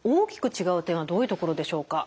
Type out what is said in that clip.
違う点はどういうところでしょうか？